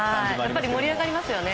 やっぱり盛り上がりますよね。